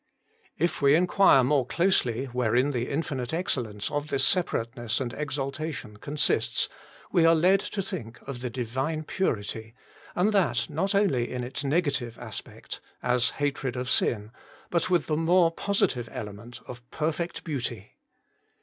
If we inquire more closely wherein the infinite excellence of this Separateness and Exaltation con sists, we are led to think of the Divine Purity, and that not only in its negative aspect as hatred of sin but with the more positive element of perfect beauty.